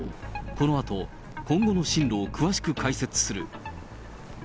このあと、今後の進路を詳しく解説する。